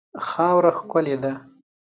خاوره ښکلې ده.